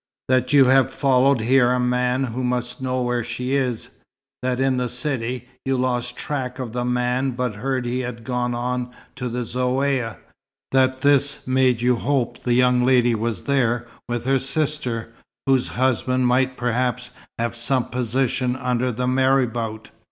That you have followed here a man who must know where she is; that in the city, you lost track of the man but heard he had gone on to the Zaouïa; that this made you hope the young lady was there with her sister, whose husband might perhaps have some position under the marabout."